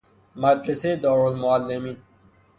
مدرسه دارالمعلمین